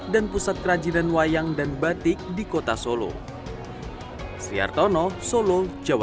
dan pusat kerajinan wayang dan batik di kota solo